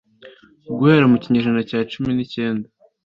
guhera mu kinyejana cya cumi nikenda